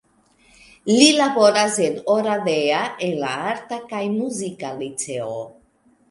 Li laboras en Oradea en la Arta kaj Muzika Liceo.